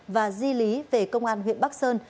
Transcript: và di lý về công an huyện bắc sơn